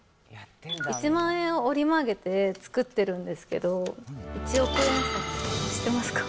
１万円を折り曲げて作ってるんですけど、一億円札って知ってますか？